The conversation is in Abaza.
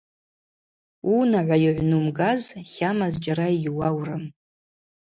Уунагӏва йыгӏвнумгаз хьама зджьара йгьуаурым.